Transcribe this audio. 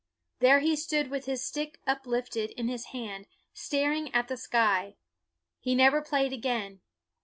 There he stood with his stick uplifted in his hand, staring at the sky. He never played again.